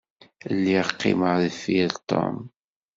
Lliɣ qqimeɣ deffir Tom.